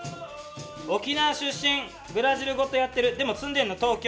沖縄出身ブラジルごとやってるでも住んでんの東京。